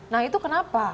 nah itu kenapa